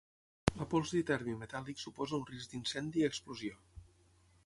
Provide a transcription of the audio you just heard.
La pols d'iterbi metàl·lic suposa un risc d'incendi i explosió.